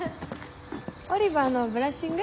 オリバーのブラッシング？